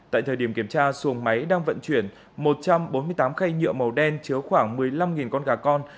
tại thời điểm kiểm tra xuồng máy đang vận chuyển một trăm bốn mươi tám khay nhựa màu đen chứa khoảng một mươi năm con gà con